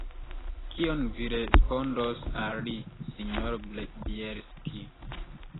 Kion vi respondos al li, sinjoro Bjelski?